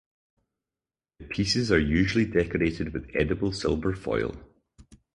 The pieces are usually decorated with edible silver foil.